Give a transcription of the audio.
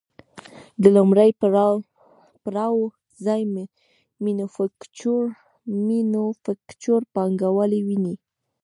د لومړي پړاو ځای مینوفکچور پانګوالي ونیو